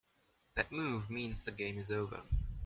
That move means the game is over.